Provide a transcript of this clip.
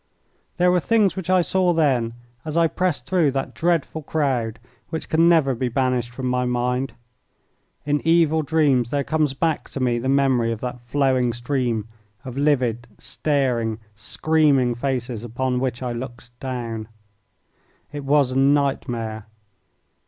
There were things which I saw then, as I pressed through that dreadful crowd, which can never be banished from my mind. In evil dreams there comes back to me the memory of that flowing stream of livid, staring, screaming faces upon which I looked down. It was a nightmare.